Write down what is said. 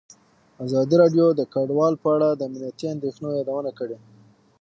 ازادي راډیو د کډوال په اړه د امنیتي اندېښنو یادونه کړې.